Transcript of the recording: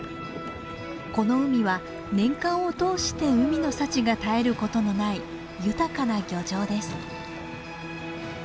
この海は年間を通して海の幸が絶えることのない豊かな漁場です。